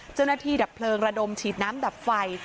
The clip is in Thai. เจ้าหน้าที่ดับเพลิงระดมฉีดน้ำดับไฟ